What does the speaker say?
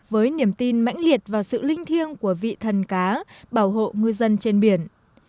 với niềm tin mạnh liệt vào sự linh thiêng của vị thần cá bảo hộ ngư dân trên biển